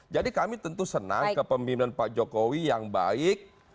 jadi kami tentu senang ke pemimpinan pak jokowi yang baik